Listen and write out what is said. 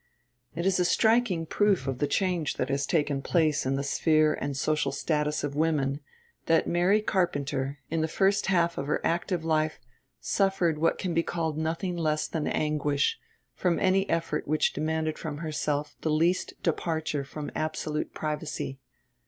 It is a striking proof of the change that has taken place in the sphere and social status of women, that Mary Carpenter, in the first half of her active life, suffered what can be called nothing less than anguish, from any effort which demanded from herself the least departure from absolute privacy.